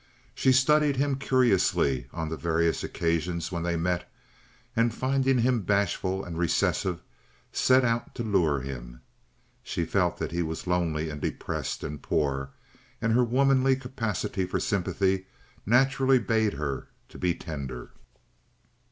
She studied him curiously on the various occasions when they met, and, finding him bashful and recessive, set out to lure him. She felt that he was lonely and depressed and poor, and her womanly capacity for sympathy naturally bade her be tender.